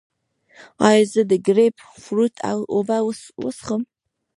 ایا زه د ګریپ فروټ اوبه وڅښم؟